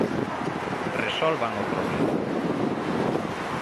Resolvan o problema.